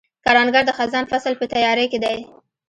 کروندګر د خزان فصل په تیاري کې دی